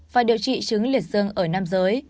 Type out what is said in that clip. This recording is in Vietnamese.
và điều trị chứng liệt dương ở nam giới